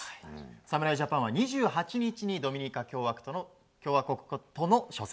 侍ジャパンは２８日にドミニカ共和国との初戦。